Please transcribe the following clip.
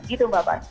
gitu mbak fani